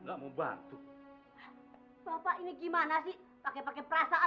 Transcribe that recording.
dia butuh kerja